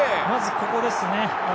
まずここですね。